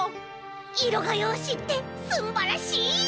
いろがようしってすんばらしい！